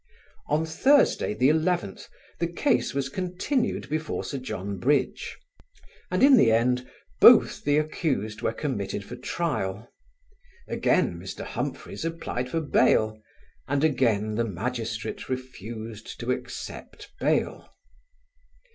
On Thursday, the 11th, the case was continued before Sir John Bridge, and in the end both the accused were committed for trial. Again Mr. Humphreys applied for bail, and again the magistrate refused to accept bail.